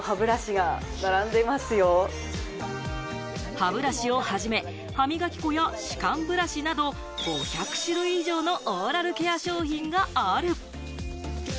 歯ブラシをはじめ、歯磨き粉や歯間ブラシなど５００種類以上のオーラルケア商品がある。